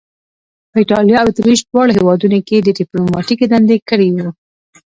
په ایټالیا او اتریش دواړو هیوادونو کې یې دیپلوماتیکې دندې کړې وې.